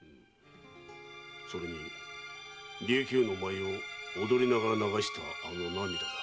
それに琉球の舞を踊りながら流したあの涙だ。